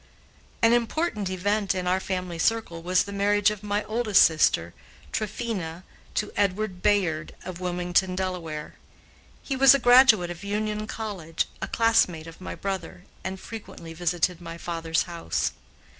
An important event in our family circle was the marriage of my oldest sister, Tryphena, to Edward Bayard of Wilmington, Delaware. He was a graduate of Union College, a classmate of my brother, and frequently visited at my father's house.